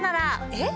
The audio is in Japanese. えっ？